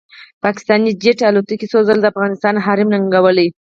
پاکستاني جېټ الوتکو څو ځله د افغانستان حریم ننګولی